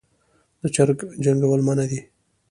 د چرګ جنګول منع دي